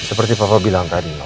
seperti papa bilang tadi noh